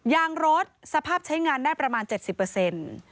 ยางรถสภาพใช้งานได้ประมาณ๗๐เปอร์เซ็นต์